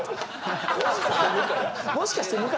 もしかして向井？